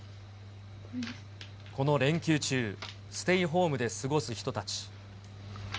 この連休中、ステイホームで過ごす人たち。